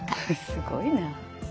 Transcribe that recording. すごいな。